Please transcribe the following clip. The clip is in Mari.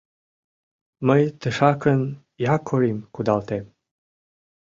Мый тышакын якорьым кудалтем.